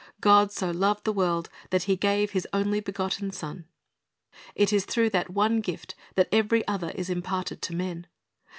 "God so loved the world, that He gave His only begotten Son."^ It is through that one gift that every other is imparted to men.